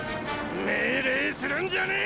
命令するんじゃねえ！！